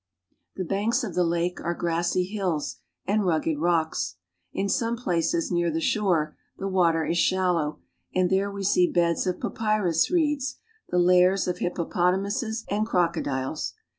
The banks of the lake are grassy hills and rugged rocks. In some places near the shore the water is shallow, and ".... we see beds of papyrus reeds, ,..'"^ there we see beds of papyrus reeds, the lairs of hippopota muses and crocodiles.